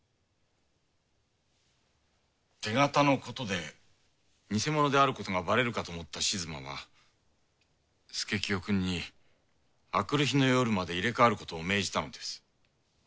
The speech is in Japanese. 手形のことで偽者であることがバレるかと思った静馬は佐清くんにあくる日の夜まで入れ替わることを命じたのです。